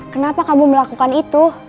kenapa kamu melakukan itu